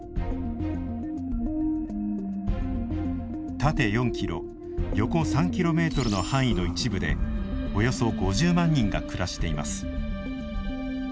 縦４ｋｍ横３ｋｍの範囲の一部でおよそ５０万人が暮らしています。